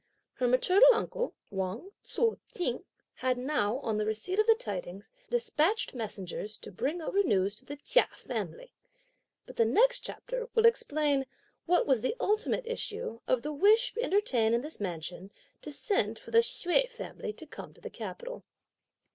Her maternal uncle, Wang Tzu t'eng, had now, on the receipt of the tidings, despatched messengers to bring over the news to the Chia family. But the next chapter will explain what was the ultimate issue of the wish entertained in this mansion to send for the Hsüeh family to come to the capital.